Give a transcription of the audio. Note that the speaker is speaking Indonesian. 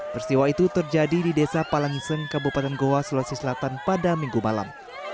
peristiwa itu terjadi di desa palangiseng kabupaten goa sulawesi selatan pada minggu malam